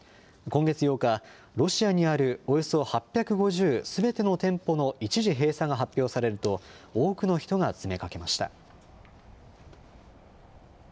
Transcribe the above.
今月８日、ロシアにあるおよそ８５０すべての店舗の一時閉鎖が発表されると多くの人が詰めかけました。